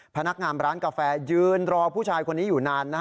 พนักงานร้านกาแฟยืนรอผู้ชายคนนี้อยู่นาน